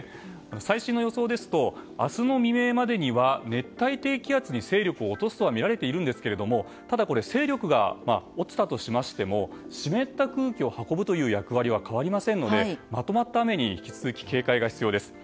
最新の予想ですと明日の未明までは熱帯低気圧に勢力を落とすとはみられているんですがただ、勢力が落ちたとしましても湿った空気を運ぶという役割は変わりませんのでまとまった雨に引き続き警戒が必要です。